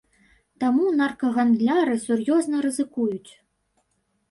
Таму наркагандляры сур'ёзна рызыкуюць.